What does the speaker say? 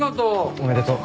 おめでとう。